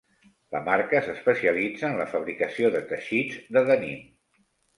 La marca s’especialitza en la fabricació de teixits de denim.